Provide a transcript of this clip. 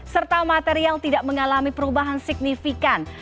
serta material tidak mengalami perubahan signifikan